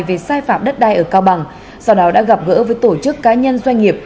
về sai phạm đất đai ở cao bằng sau đó đã gặp gỡ với tổ chức cá nhân doanh nghiệp